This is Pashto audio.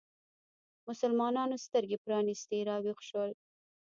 مسلمانانو سترګې پرانیستې راویښ شول